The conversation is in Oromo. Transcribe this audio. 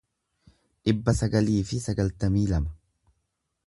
dhibba sagalii fi shantamii lama